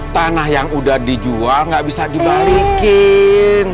tanah yang udah dijual nggak bisa dibalikin